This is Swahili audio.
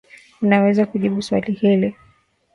Unaweza kujibu swali hili?